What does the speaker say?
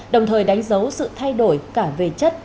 đồng thời đánh dấu sự thay đổi cả về chất và hệ thống